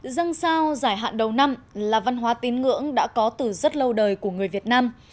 dân sao giải hạn đầu năm là văn hóa tín ngưỡng đã có từ rất lâu đời của người việt nam